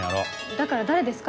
だから誰ですか？